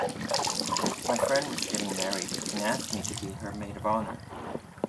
My friend was getting married and asked me to be her maid of honor.